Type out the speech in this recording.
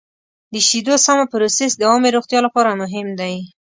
د شیدو سمه پروسس د عامې روغتیا لپاره مهم دی.